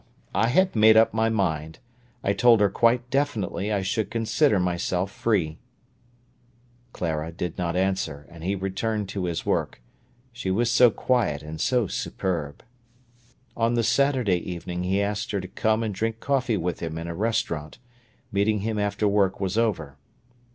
I had made up my mind. I told her quite definitely I should consider myself free." Clara did not answer, and he returned to his work. She was so quiet and so superb! On the Saturday evening he asked her to come and drink coffee with him in a restaurant, meeting him after work was over.